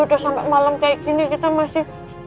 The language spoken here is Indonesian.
udah sampe malem kayak gini kita masih